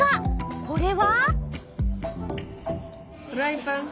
これは？